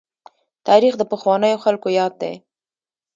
تاريخ د پخوانیو خلکو ياد دی.